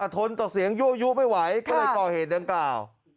ทนต่อเสียงยั่วยุไม่ไหวก็เลยก่อเหตุดังกล่าว